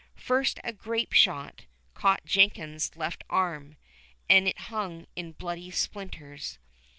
First a grapeshot caught Jenkins' left arm, and it hung in bloody splinters.